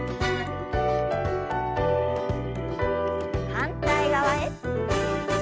反対側へ。